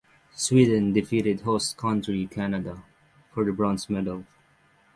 Sweden defeated host country Canada for the bronze medal.